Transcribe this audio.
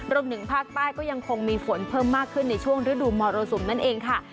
รวมถึงภาคใต้ก็ยังคงมีฝนเพิ่มมากขึ้นในช่วงฤดูมรสุมนั่นเองค่ะ